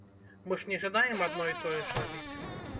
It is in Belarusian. Мы ж не жадаем адно і тое ж рабіць!